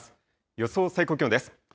予想最高気温です。